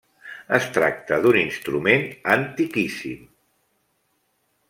Es tracta d’un instrument antiquíssim.